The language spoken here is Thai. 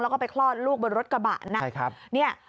แล้วก็ไปคลอดลูกบนรถกระบะนะครับ